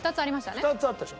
２つあったでしょ。